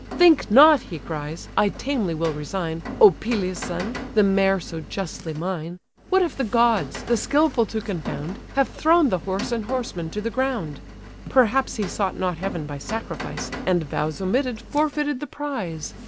"Think not (he cries) I tamely will resign, O Peleus' son! the mare so justly mine. What if the gods, the skilful to confound, Have thrown the horse and horseman to the ground? Perhaps he sought not heaven by sacrifice, And vows omitted forfeited the prize.